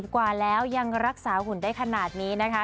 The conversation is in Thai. กว่าแล้วยังรักษาหุ่นได้ขนาดนี้นะคะ